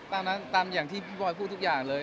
ตามอย่างที่พี่บอยพูดทุกอย่างเลย